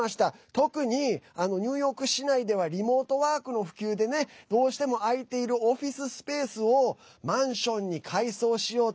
特に、ニューヨーク市内ではリモートワークの普及でねどうしても空いているオフィススペースをマンションに改装しようと。